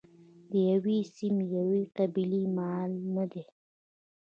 د یوې سیمې یوې قبیلې مال نه دی.